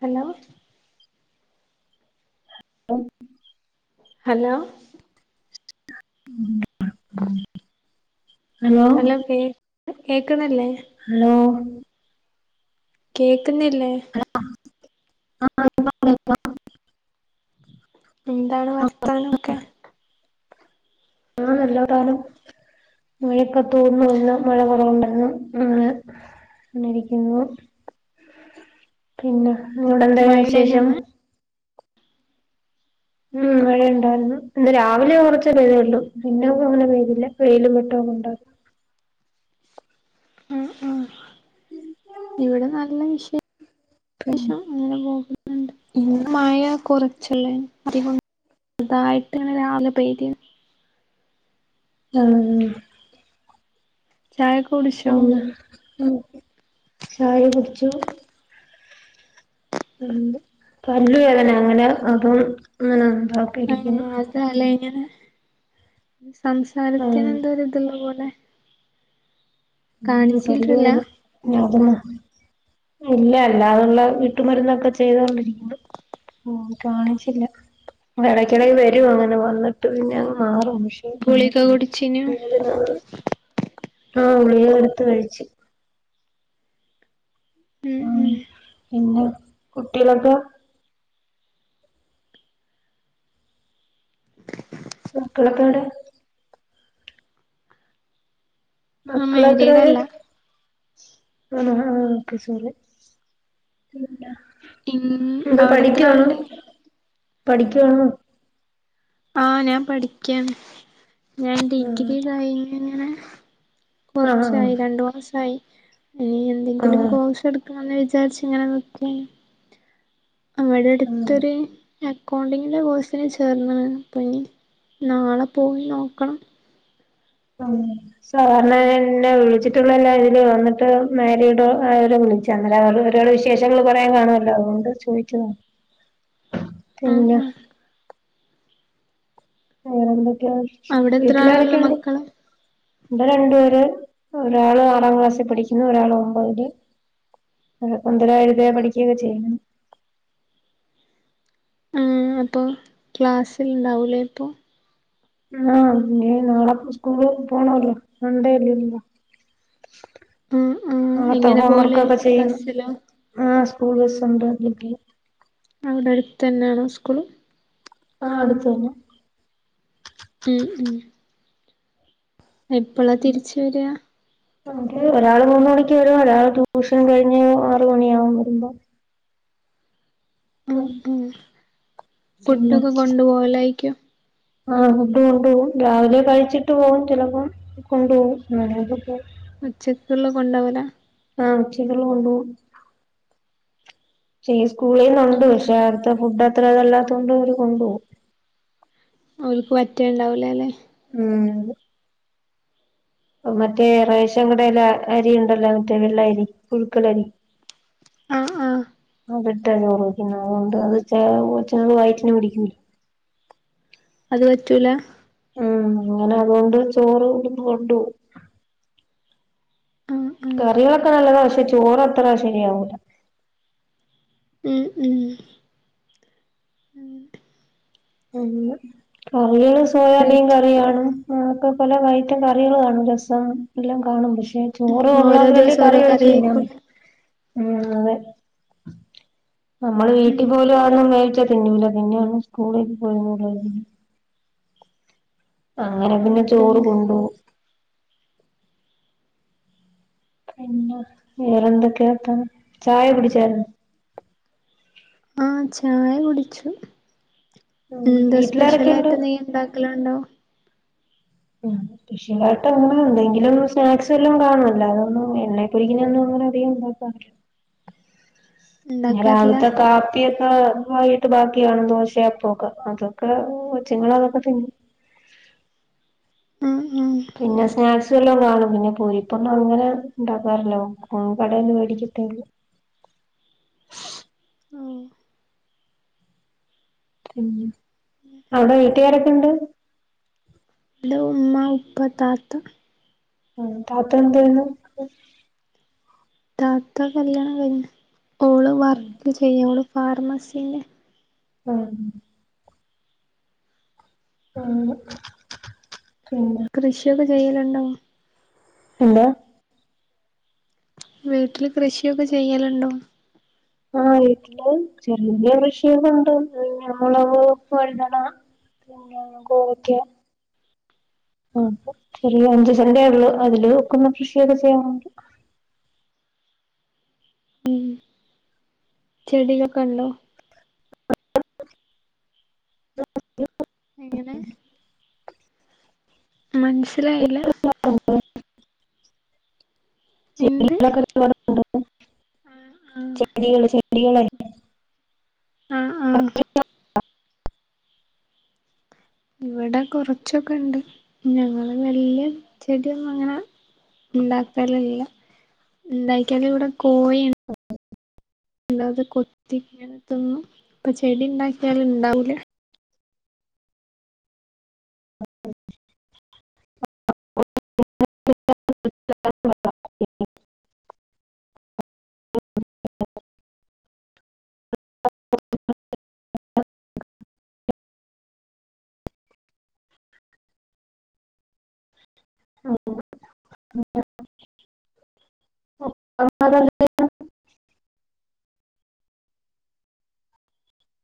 Hello [unintelligible] hello hello കേക്ക്ന്നില്ലേ hello കേക്ക്ന്നില്ലേ ആ അ അ എന്താണ് വർത്ത മാനമൊക്കെ ആഹ് [unintelligible] മഴയൊക്കെ തോർന്ന് വന്ന് മഴ കൊറവ്ണ്ടെര്ന്ന് അതെ വന്നിരിക്കുന്നു പിന്നെ ഇങ്ങോടെന്തേക്കേ വിശേഷം മഴണ്ടായിനന്ന് ഉം മഴണ്ടോ ഇന്ന് രാവിലെ കുറച്ച് പെയ്തുള്ളൂ പിന്നെ അങ്ങനെ പെയ്തില്ല വെയിലും വെട്ടോ ഒക്കെ ഉണ്ടായിരുന്നു [inaudible] ആഹ് ആഹ് ഇവിടെ നല്ല വി പിന്നെ ശേഷം അങ്ങനെ പോകുന്നു ഉം മഴ കൊറച്ചല്ലേ അധികൊ ചെറ്തായിട്ടാണ് രാവിലെ പെയ്തി ആ ചായ ഒക്കെ കുടിച്ചോ ആ ഒക്കെ ചായ കുടിച്ചോ പല്ല് പല്ലു വേദന അങ്ങനെ അപ്പം അങ്ങനെ എന്താക്കി ആ ഇരിക്കുന്നു അതല്ലേ ഇങ്ങനെ ആഹ് സംസാരത്തിന് എന്തോ ഒരിത് ഉള്ള പോലെ ഉം പല്ല് കാണിച്ചിട്ടില്ല വേദന അതിനാ ഇല്ല അല്ലാതെയുള്ള വീട്ടുമരുന്നൊക്കെ ചെയ്തൊണ്ടിരിക്കുന്നു ഉം കാണിച്ചില്ല ഇടക്കിടക്ക് വരും അങ്ങനെ വന്നിട്ട് പിന്നെങ്ങ് മാറും ഗുളിക കുടിച്ചിനു [unintelligible] ആ ഗുളിക കൊടുത്ത് കയിച് ഉം ഉം ഇങ്ങള് കുട്ടോളൊക്കെ മക്കളിക്കോവിടെ ആഹ് മക്കളേത്രെ പേര് മാരീഡല്ല [unintelligible] മക്കളെത്രണ്ട് പഠിക്കാണോ ആ ഞാൻ പഠിക്കാണ് ആ കുറച്ചായി രണ്ട് വർഷായി ആ ഇനിയെന്തെങ്കിലും ആ കൊയ്സ് എടുക്കണന്ന് വിചാരിച്ചിരിക്കാണ് ആ ആ ഇവിടെടുത്തൊരു അക്കൗണ്ടിന്റെ കൊയ്സ്ന് ചേർന്നിക്കണ് ഇപ്പഞ്ഞഹ്. നാളെ പോയി നോക്കണം സാറിന് എന്നെ വിളിച്ചിട്ടുള്ളല്ലാരിം ഇത്‌ വന്നിട്ട് മേരീടോ ആയി കൊറേ വിശേഷങ്ങള് കൊറേ കണോല്ലോ അതോണ്ടാ ചോയ്ക്നി ഉം പിന്ന ഉം അങ്ങനെ ക്കെ വിചാരിച് അവിടെ എത്ര ആളാള്ളെ വീട്ടിലാരൊക്കെ ണ്ട് മക്കള് ഇവിടെ രണ്ട് പേര് ഒരാൾ ആറാം ക്ലാസ്സിൽ പഠിക്കുന്നു ഒരാൾ ഒൻപതിൽ പഠിക്കക്കെ ചെയ്യിണ് ആ അപ്പൊ ക്ലാസ്എല്ലാം ഇണ്ടാവുലെ പ്പം ഉം ഊ ഇനി നാളെകേ സ്കൂളിൽ പോണല്ലോ സൻഡേ ലീവാ ഉം ഉം ആ നത്തെ എങ്ങനെ പോവല് ഹോംവർക്കക്കെ ചെയ്യുന്ന് ബസ്സിലോ ഉം മൂന്നിസണ്ട് പറഞ്ഞിട്ട് അവിടെട് തന്നെണോ സ്കൂള് ആഹ് അടുത്ത് തന്നെ ഉം ഉം എപ്പളാ തന്നെ തിരിച് വരാ ഒരാള് മൂന്ന് മണിക് വരും ഒരാള് ടൂഷൻ കയിഞ്ഞ് ആറ് മണിയാവും വരുമ്പം ഉം ഉം ഫുഡൊക്കെ കൊണ്ട് പോവലായിരിക്കു ആ ഫുഡ്‌ കൊണ്ടോവും രാവിലെ കഴിച്ചിട്ട് പോവും ചെലപ്പം കൊണ്ടോവും.. ഉച്ചക്ക്ള്ള കൊണ്ടോവലാ ആ ഉച്ചക്ക്ള്ള കൊണ്ടോവും ഷണം സ്കൂളില് ഉണ്ട്. ഉം പക്ഷേ. അവിടത്തെ ഫുഡ്‌ അത്ര ഇതില്ലതത്തോണ്ട് കൊണ്ടോവും ഓല്ക് പറ്റേണ്ടാവില്ലല്ലേ ഉം അഹ് മറ്റേ റേഷൻ കടയിലെ അറിയിൻടാല്ലോ മറ്റേ വെള്ളയരി പുഴുകലരി ആ ആ അതിട്ടാ ചോറ് വെക്കുന്നത് അത് കൊണ്ട് ചെ വയറ്റിന് പിടിക്കൂല അത് പറ്റൂലാ ഉം ഓന് അതോണ്ട് ചോറ് ഇവിടുന്ന് കൊണ്ടോവും ആഹ് ആഹ് കരകളൊക്കെ നല്ലതാ പക്ഷേ ചോറത്ര ശരി ആവൂല ഉം ഉം കറിയെല്ലാം സോയാബീൻ വീട്ടിൽ കറിയാണ് അങ്ങനത്തെ പല ഐറ്റം കറികളും കാണും രസം എല്ലാം കാണും പക്ഷേ ഉം ചോറ് ഓരോ കൊള്ളാഞാല് ദിവസം കറി ഓരോ ഒഴിച് തി ഉം കറിയായിരിക്കുംല്ലേ ഉം അതെ ഞമ്മള് വീട്ടി പോലും അതൊന്നും കഴിക്കത്തില്ല തിന്നൂല്ല പിന്നെ അവിടന്ന് സ്കൂളിൽ പോ ആ ആഹ് അങ്ങനെങ്ങനെ ചോറ് അതന്നെ കൊണ്ടോവും പിന്ന വേറെന്തൊക്കെ വർത്താനം ചായ കുടിച്ചോ ആഹ് ചായ കുടിച്ചു ഉം എന്താ സ്പെഷ്യലാ വീട്ടിലാരൊക്കെയുണ്ട് യിട്ട് നീ ഉണ്ടാക്കലണ്ടോ ആ കൃഷികായിട്ട് അങ്ങനെ എന്തെങ്കിലും സ്നാക്സ് എല്ലാം കാണല്ല അതൊന്നും എണ്ണെപ്പുരിരിക്കിന അധികം ഉണ്ടാക്കാ ഉ രാവിലത്തെ കാപ്പി ആയിട്ട് ബാക്കിയാണ് ദോശയാപ്പക്കെ അതൊക്കെച്ചുങ്ങളൾ അതൊക്കെ തിന്നും ഉം ഉം പിന്നെ സ്നാക്സ് വല്ലാം കാണും പിന്നെ പൂരിപ്പൊണം അങ്ങനെ ഉണ്ടാക്കാറല്ലോ കടൊന്ന മേടിക്ക ട്ടേല് ഓഹ് ഉം അവിടെ വീട്ടുകാരൊക്കെ ഉണ്ട് ഇവിടെ ഉമ്മ ഉപ്പ താത്ത ആ താത്ത എന്തയ്യുന്നു താത്ത കല്യാണം കഴിഞ്ഞു ഓള് വർക്ക് ചെയ്യ ഓള് ഫാർമസില് ആ ആ കൃഷിയൊക്കെ ചെയ്യലുണ്ടോ എന്താ വീട്ടില് കൃഷിയൊക്കെ ചെയ്യലുണ്ടോ ആഹ് വീട്ടില് ചെറിയ കൃഷിയൊക്കെ ഉണ്ട് മുളക് വഴുതന പിന്നെ കോവക്ക ആ ചെറിയ അഞ്ചു സെൻ്റ് ആ ഉള്ളൂ അതില്ക്കുന്ന കൃഷിയൊക്കെ ചെയ്യാൻണ്ട് ചെടികളൊക്കെണ്ടോ എങ്ങനെ മനസിലായില്ല എന്ത് ചെടികളൊക്കെ ഒരുപാട്ണ്ട് ആഹ് ചെടികള് ചെടികളെ ആഹ് ആഹ് ഇവിടെ കൊറച്ചൊക്കെ ഉണ്ട് ഞങ്ങള് വല്ിയ ചെടിയൊന്ന അങ്ങനെ ഉണ്ടാക്കലല്ല ഉണ്ടാക്കാല ഇവിടെ കോഴിണ് അല്ലാതെ കൊത്തി ഇങ്ങന തിന്നും ഇപ്പൊ ചെടി ഉണ്ടാക്കിയാല ഇണ്ടാവൂല അ അ ഓ